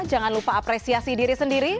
jangan lupa apresiasi diri sendiri